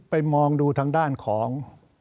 มองดูทางด้านของ